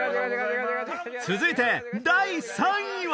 続いて第３位は？